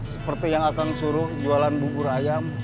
seperti yang akan suruh jualan bubur ayam